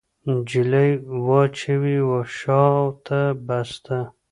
نجلۍ به واچوي وشا ته بسته